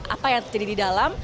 apa yang terjadi di dalam